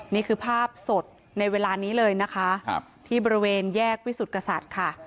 นี่คือภาพสดในเวลานี้เลยนะคะที่บริเวณแยกวิสุทธิกษัตริย์ค่ะ